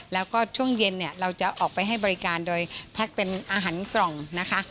แล้วก็ช่วงเย็นเนี่ยเราจะออกไปให้บริการโดยแพ็คเป็นอาหารกล่องนะคะ